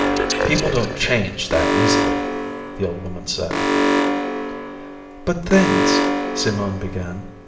"People don't change that easily," the old woman said. "But things " Simone began.